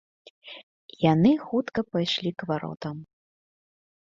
І яны хутка пайшлі к варотам.